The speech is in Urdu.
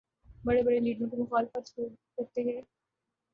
بڑے بڑے لیڈروں کے مخالف ہوتے ہیں۔